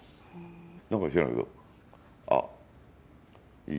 なんか知らないけど「あ」「い」